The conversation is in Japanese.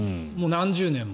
何十年も。